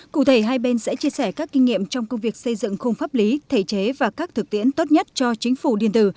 cụ thể hai bên sẽ chia sẻ các kinh nghiệm trong công việc xây dựng khung pháp lý thể chế và các thực tiễn tốt nhất cho chính phủ điện tử